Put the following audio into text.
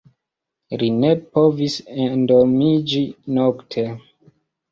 Li ne povis endormiĝi nokte.